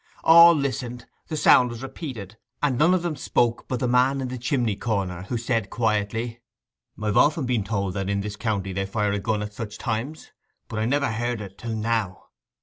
All listened. The sound was repeated, and none of them spoke but the man in the chimney corner, who said quietly, 'I've often been told that in this county they fire a gun at such times; but I never heard it till now.